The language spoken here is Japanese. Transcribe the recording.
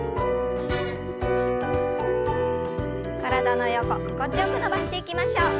体の横心地よく伸ばしていきましょう。